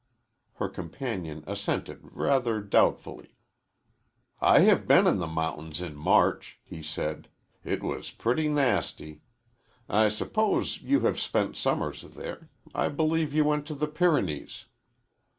Her companion assented rather doubtfully. "I have been in the mountains in March," he said. "It was pretty nasty. I suppose you have spent summers there. I believe you went to the Pyrenees."